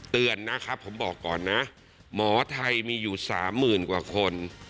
เตือนนะครับผมบอกก่อนนะหมอไทยมีอยู่สามหมื่นกว่าคน